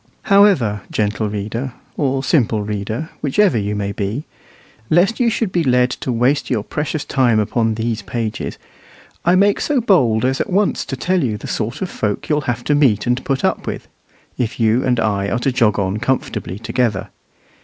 However, gentle reader, or simple reader, whichever you may be, lest you should be led to waste your precious time upon these pages, I make so bold as at once to tell you the sort of folk you'll have to meet and put up with, if you and I are to jog on comfortably together.